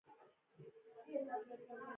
• غونډۍ د خاورې د ښویېدو مخنیوی کوي.